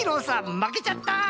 まけちゃった。